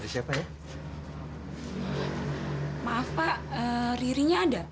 ini rumah kakaknya